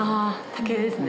竹ですね。